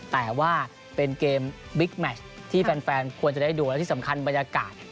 แต่ว่าเป็นเกมบิ๊กแมชที่แฟนควรจะได้ดูและที่สำคัญบรรยากาศ